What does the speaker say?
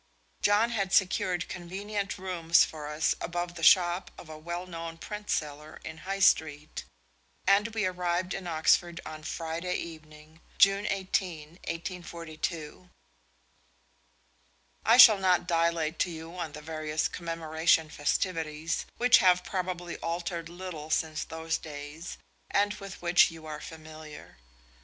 John had secured convenient rooms for us above the shop of a well known printseller in High Street, and we arrived in Oxford on Friday evening, June 18, 1842. I shall not dilate to you on the various Commemoration festivities, which have probably altered little since those days, and with which you are familiar.